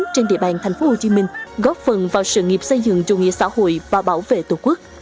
trên địa bàn thành phố hồ chí minh góp phần vào sự nghiệp xây dựng chủ nghĩa xã hội và bảo vệ tổ quốc